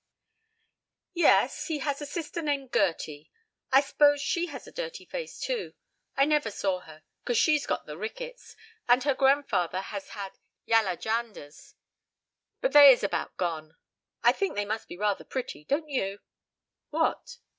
"Yes; he has a sister named Gerty. I s'pose she has a dirty face, too. I never saw her, 'cause she's got the rickets, and her grandfather has had yaller janders; but they is about gone. I think they must be rather pretty, don't you?" "What?"